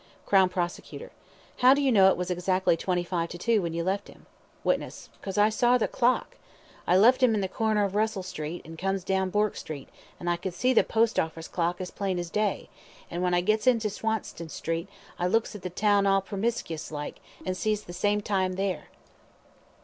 CROWN PROSECUTOR: How do you know it was exactly twenty five to two when you left him? WITNESS: 'Cause I sawr the clocks I left 'im at the corner of Russell Street, and comes down Bourke Street, so I could see the Post Orffice clock as plain as day, an' when I gets into Swanston Street, I looks at the Town 'All premiscus like, and sees the same time there.